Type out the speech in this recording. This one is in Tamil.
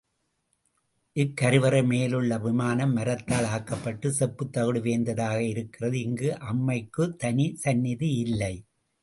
இக்கருவறை மேல் உள்ள விமானம் மரத்தால் ஆக்கப்பட்டு செப்புத்தகடு வேய்ந்ததாக இருக்கிறது, இங்கு அம்மைக்குத் தனி சந்நிதி இல்லை.